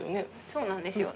そうなんですよ。